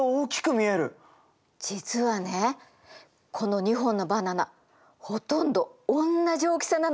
実はねこの２本のバナナほとんどおんなじ大きさなの。